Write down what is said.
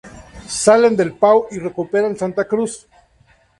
Salen de El Pao y recuperan Santa Cruz.